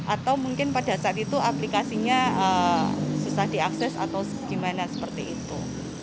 atau mungkin pada saat itu aplikasinya susah diakses atau gimana seperti itu